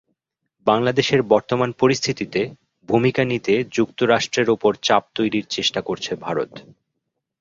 বাংলাদেশের বর্তমান পরিস্থিতিতে ভূমিকা নিতে যুক্তরাষ্ট্রের ওপর চাপ তৈরির চেষ্টা করছে ভারত।